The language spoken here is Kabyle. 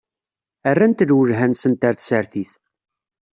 Rrant lwelha-nsent ɣer tsertit.